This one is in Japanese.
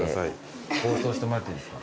包装してもらっていいですか？